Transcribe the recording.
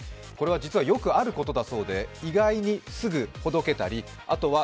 これは実はよくあることだそうで、意外にすぐほどけたと。